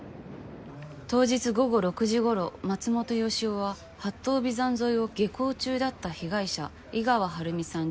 当日午後６時ごろ松本良夫は八頭尾山沿いを下校中だった被害者井川晴美さん